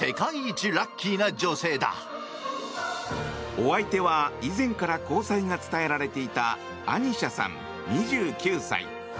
お相手は、以前から交際が伝えられていたアニシャさん、２９歳。